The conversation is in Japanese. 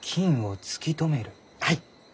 はい。